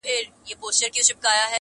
• چي یې تباه سول کلي کورونه -